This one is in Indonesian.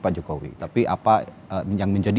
pak jokowi tapi apa yang menjadi